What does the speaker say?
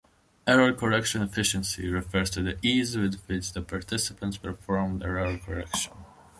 "Error correction efficiency" refers to the ease with which the participant performed error correction.